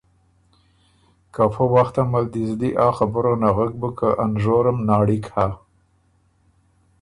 که فۀ وخته مل دی زلی آ خبُره نغک بُک که ا نژورم ناړِک هۀ۔